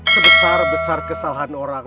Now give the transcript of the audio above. sebesar besar kesalahan orang